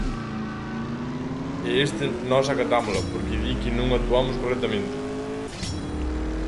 E esta nós acatámola, porque di que non actuamos correctamente.